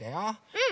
うん。